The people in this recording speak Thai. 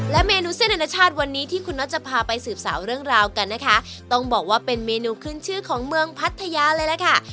เมนูเส้นอนาชาติวันนี้ที่คุณน็อตจะพาไปสืบสาวเรื่องราวกันนะคะต้องบอกว่าเป็นเมนูขึ้นชื่อของเมืองพัทยาเลยล่ะค่ะ